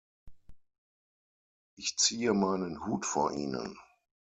Ich ziehe meinen Hut vor Ihnen!